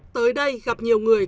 tới đây gặp nhiều người